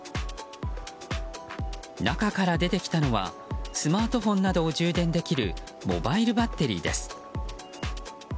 中から出てきたのはスマートフォンなどを充電できるモバイルバッテリーです。